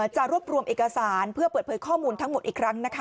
จะรวบรวมเอกสารเพื่อเปิดเผยข้อมูลทั้งหมดอีกครั้งนะคะ